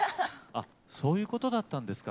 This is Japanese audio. あっそういうことだったんですか。